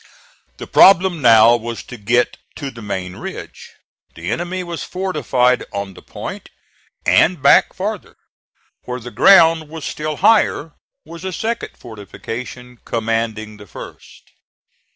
The problem now was to get to the main ridge. The enemy was fortified on the point; and back farther, where the ground was still higher, was a second fortification commanding the first.